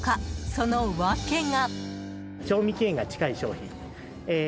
その訳が。